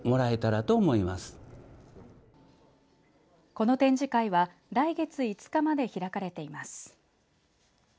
この展示会は来月５日まで開かれています。